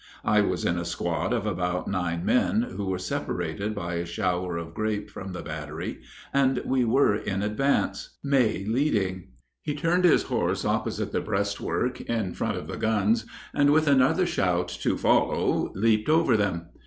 I was in a squad of about nine men, who were separated by a shower of grape from the battery, and we were in advance, May leading. He turned his horse opposite the breastwork, in front of the guns, and with another shout 'to follow,' leaped over them.